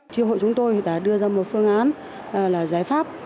tri hội chúng tôi đã đưa ra một phương án là giải pháp